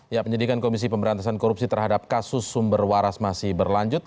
ya penyidikan komisi pemberantasan korupsi terhadap kasus sumber waras masih berlanjut